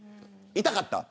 痛かった。